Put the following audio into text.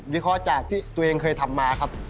วิเคราะห์จากที่ตัวเองเคยทำมาครับ